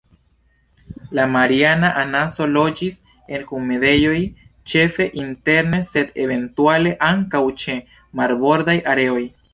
La Mariana anaso loĝis en humidejoj, ĉefe interne sed eventuale ankaŭ ĉe marbordaj areoj.